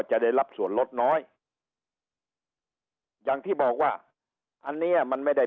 จะได้รับส่วนลดน้อยอย่างที่บอกว่าอันเนี้ยมันไม่ได้